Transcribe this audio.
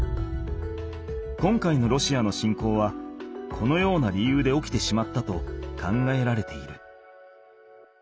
今回のロシアの侵攻はこのような理由で起きてしまったと考えられている。